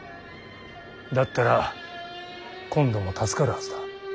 だったら今度も助かるはずだ。